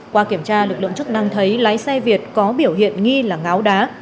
qua kiểm tra lực lượng chức năng thấy lái xe việt có biểu hiện nghi là ngáo đá